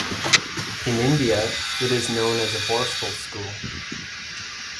In India, it is known as a borstal school.